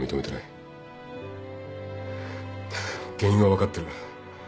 原因は分かってる。